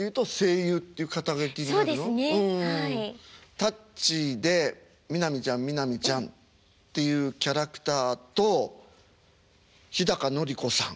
「タッチ」で南ちゃん南ちゃんっていうキャラクターと日のり子さん。